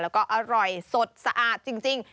แล้วก็อร่อยสดสะอาดจริง